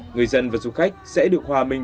người dân và du khách sẽ được hòa mình